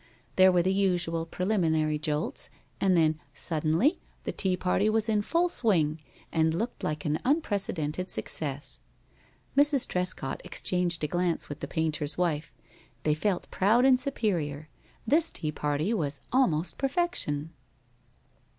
There were the usual preliminary jolts, and then suddenly the tea party was in full swing, and looked like an unprecedented success. Mrs. Trescott exchanged a glance with the painter's wife. They felt proud and superior. This tea party was almost perfection.